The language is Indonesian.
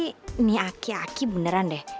ini aki aki beneran deh